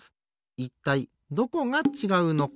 いったいどこがちがうのか。